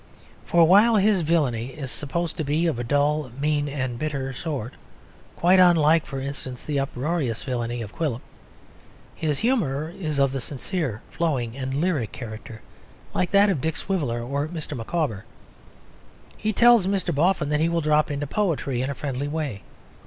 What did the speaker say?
For while his villainy is supposed to be of a dull, mean, and bitter sort (quite unlike, for instance, the uproarious villainy of Quilp), his humour is of the sincere, flowing and lyric character, like that of Dick Swiveller or Mr. Micawber. He tells Mr. Boffin that he will drop into poetry in a friendly way.